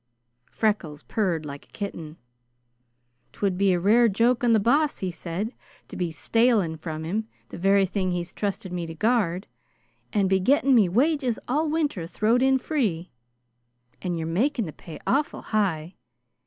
Freckles purred like a kitten. "'Twould be a rare joke on the Boss," he said, "to be stalin' from him the very thing he's trusted me to guard, and be getting me wages all winter throwed in free. And you're making the pay awful high.